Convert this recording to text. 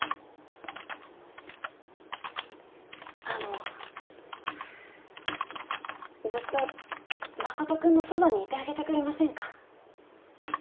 あのずっと誠君のそばにいてあげてくれませんか？